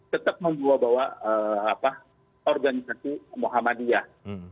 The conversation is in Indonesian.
tetap membawa bawa organisasi muhammadiyah